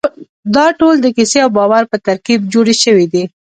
دا ټول د کیسې او باور په ترکیب جوړ شوي دي.